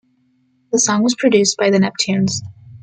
The song was produced by The Neptunes.